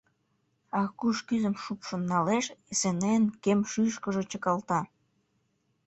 Аркуш кӱзым шупшын налеш, Эсенейын кем шӱйышкыжӧ чыкалта.